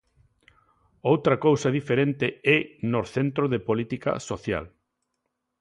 Outra cousa diferente é nos centros de Política Social.